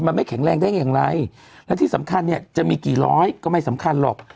มันไม่แข็งแรงได้อย่างไรและที่สำคัญเนี่ยจะมีกี่ร้อยก็ไม่สำคัญหรอก